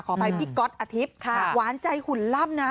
ขอไปพี่ก๊อตอธิบค่ะหวานใจหุ่นล่ำนะ